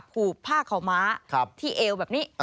หูบผ้าเขามาที่เอวอย่างนี้